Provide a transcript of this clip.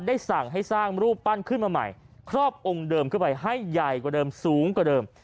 ได้สั่งให้สร้างรูปปั้นขึ้นมาใหม่ครอบองค์เดิมขึ้นไปให้ใหญ่กว่าเดิมสูงกว่าเดิม